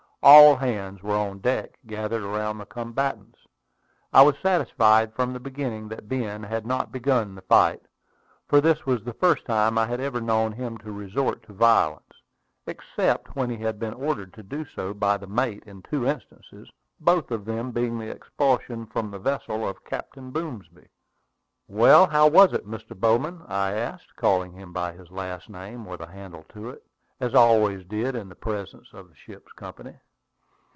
All hands were on deck, gathered around the combatants. I was satisfied from the beginning that Ben had not begun the fight, for this was the first time I had ever known him to resort to violence, except when he had been ordered to do so by the mate in two instances, both of them being the expulsion from the vessel of Captain Boomsby. "Well, how was it, Mr. Bowman?" I asked, calling him by his last name with a handle to it, as I always did in the presence of the ship's company.